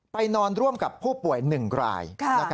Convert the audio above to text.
ไปนอนร่วมกับผู้ป่วย๑ราย